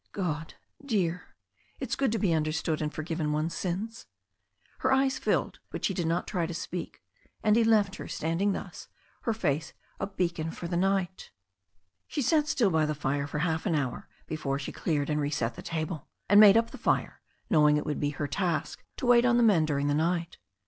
"Godt dear. It is good to be understood and forgiven one's sins." Her eyes filled, but she did not try to speak, and he left her, standing thus, her face a beacon for the night. She sat still by the fire for half an hour before she cleared and reset the table, and made up the fire, knowing it would be her task to wait on the men during the night.